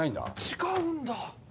違うんだ。